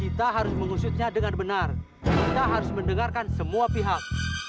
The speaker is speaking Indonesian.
kita harus mengusutnya dengan benar kita harus mendengarkan semua pihak